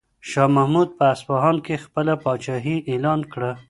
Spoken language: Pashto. شاه محمود په اصفهان کې خپله پاچاهي اعلان کړه.